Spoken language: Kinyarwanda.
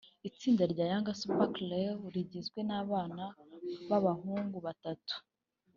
Itsinda rya Young Super Crew rigizwe n’abana b’abahungu batatu